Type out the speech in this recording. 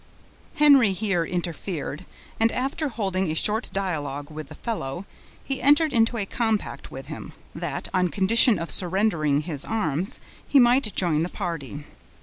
Henry here interfered, and after holding a short dialogue with the fellow, he entered into a compact with him, that, on condition of surrendering his arms, he might join the party.